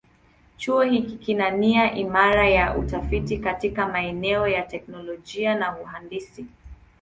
Chuo hiki kina nia imara ya utafiti katika maeneo ya teknolojia na uhandisi.